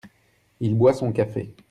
Il boit son café.